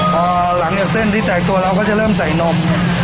พอหลังจากเส้นที่แตกตัวเราก็จะเริ่มใส่นม